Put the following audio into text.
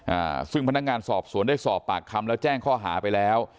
อ่าซึ่งพนักงานสอบสวนได้สอบปากคำแล้วแจ้งข้อหาไปแล้ว